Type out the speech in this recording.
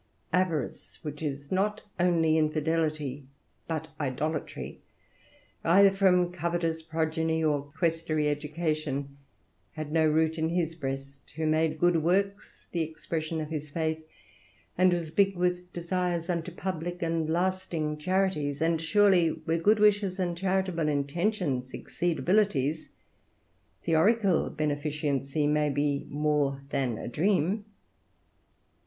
Avarice, which is not only infidelity but idolatry, either from covetous progeny or questuary education, had no root in his breast, who made good works the expression of his faith, and was big with desires unto public and lasting charities; and surely, where good wishes and charitable intentions exceed abilities, theorical beneficency may be more than a dream.